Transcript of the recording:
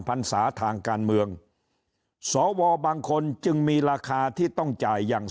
พรรษาทางการเมืองสวบางคนจึงมีราคาที่ต้องจ่ายอย่าง